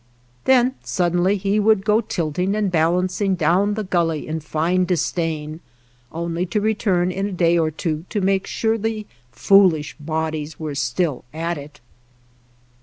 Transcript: Then suddenly he would go tilting and balancing down the gully in fine disdain, only to return in a day or two to make sure the foolish bodies were still at it.